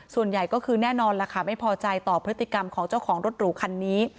ส่วนใหญ่ก็คือแน่นอนล่ะค่ะไม่พอใจต่อพฤติกรรมของเจ้าของรถหรูคันนี้